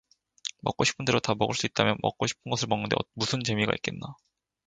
먹고 싶은 대로 다 먹을 수 있다면 먹고 싶은 것을 먹는데 무슨 재미가 있겠나?